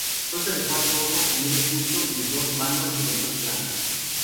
Consta de cuatro ojos a medio punto y de dos vanos de losas planas.